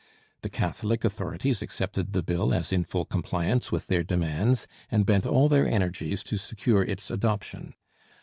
The Catholic authorities accepted the bill as in full compliance with their demands, and bent all their energies to secure its adoption.